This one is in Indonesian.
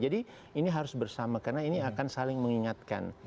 jadi ini harus bersama karena ini akan saling mengingatkan